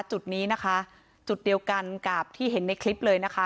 จุดนี้นะคะจุดเดียวกันกับที่เห็นในคลิปเลยนะคะ